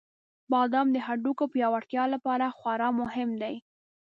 • بادام د هډوکو پیاوړتیا لپاره خورا مهم دی.